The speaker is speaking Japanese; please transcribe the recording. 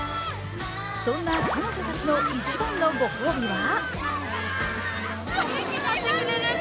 そんな彼女たちの一番のご褒美は？